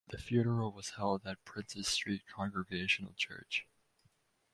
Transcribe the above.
The funeral was held at Princes Street Congregational Church.